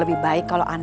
aku udah putuskan